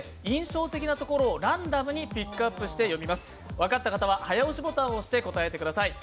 分かった方は早押しボタンを押して答えてください。